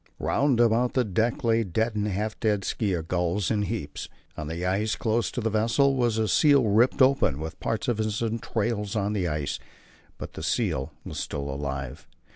Round about the deck lay dead and half dead skua gulls in heaps. On the ice close to the vessel was a seal ripped open, with part of its entrails on the ice; but the seal was still alive.